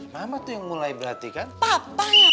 mama tuh yang mulai berhati kan papa yang